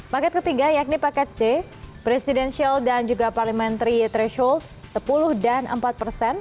paket ketiga yakni paket c presidential dan juga parliamentary threshold sepuluh dan empat persen